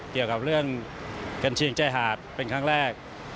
เกี่ยวกับเรื่องกัญเชียงชายหาดเป็นครั้งแรก